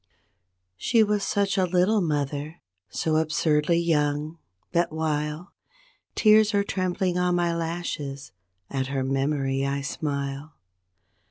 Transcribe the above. She was such a little mother, so absurdly young, that while Tears are trembling on my lashes, at her memory I smile.